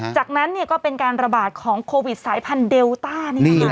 จากนั้นก็เป็นการระบาดของโควิดสายพันธุเดลต้านี่นะคะ